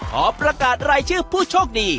ขอประกาศรายชื่อผู้โชคดี